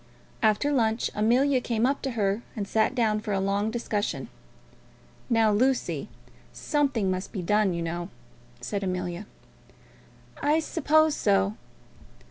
After lunch Amelia came up to her, and sat down for a long discussion. "Now, Lucy, something must be done, you know," said Amelia. "I suppose so."